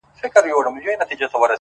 • نه سازونه مي مطلب د نيمي شپې دي,